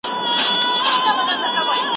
موږ باید د کتابونو لیست برابر کړو.